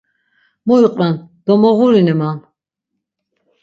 Mu iqven domoğurini man.